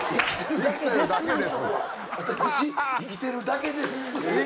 「私生きてるだけです」。